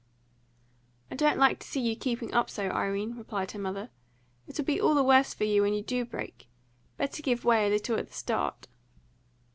"I don't like to see you keeping up so, Irene," replied her mother. "It'll be all the worse for you when you do break. Better give way a little at the start."